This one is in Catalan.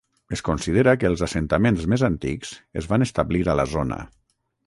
Es considera que els assentaments més antics es van establir a la zona.